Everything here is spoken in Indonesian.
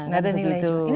nggak ada nilai jualnya